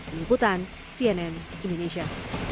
mengikutan cnn indonesia